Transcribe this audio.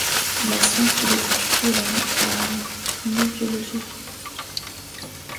La science qui les étudie est la gnobiologie.